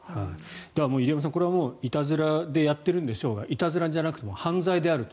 入山さん、これはいたずらでやってるんでしょうがいたずらではなく犯罪であると。